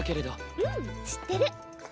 うん知ってる。